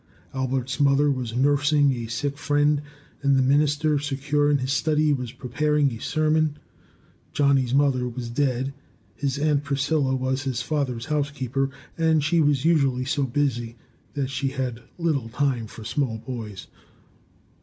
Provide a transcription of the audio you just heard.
Albert's mother was nursing a sick friend, and the minister, secure in his study, was preparing a sermon. Johnny's mother was dead. His aunt Priscilla was his father's housekeeper, and she was usually so busy that she had little time for small boys.